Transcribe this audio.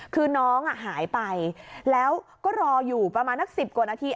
คือน้องหายไปแล้วก็รออยู่ประมาณนัก๑๐กว่านาที